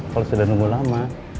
kalo sudah nunggu lama